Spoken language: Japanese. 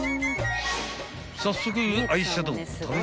［早速］